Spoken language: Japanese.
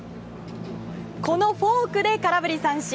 このフォークで空振り三振！